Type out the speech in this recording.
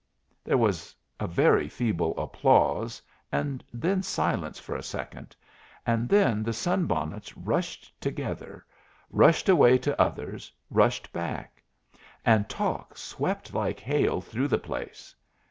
There was a very feeble applause, and then silence for a second, and then the sun bonnets rushed together, rushed away to others, rushed back; and talk swept like hail through the place.